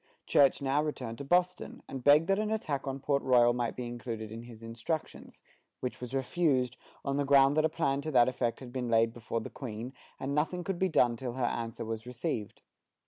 Church now returned to Boston, and begged that an attack on Port Royal might be included in his instructions, which was refused, on the ground that a plan to that effect had been laid before the Queen, and that nothing could be done till her answer was received.